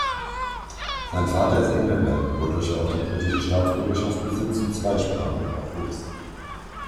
Sein Vater ist Engländer, wodurch er auch die britische Staatsbürgerschaft besitzt und zweisprachig aufwuchs.